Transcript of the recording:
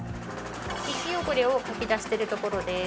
皮脂汚れをかき出してるところです。